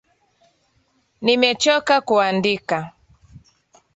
Nimechocka kuandika